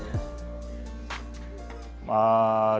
kepada kementerian kelautan dan perikanan penangkapan ikan di indonesia terancam